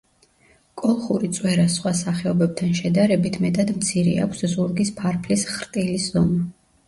კოლხური წვერას სხვა სახეობებთან შედარებით მეტად მცირე აქვს ზურგის ფარფლის ხრტილის ზომა.